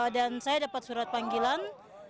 dan saya dapat surat panggilan